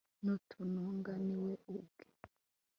n'utununga ni we ubwe